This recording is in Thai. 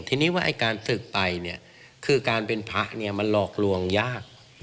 ทีนี้ว่าไอ้การศึกไปเนี่ยคือการเป็นพระเนี่ยมันหลอกลวงยาก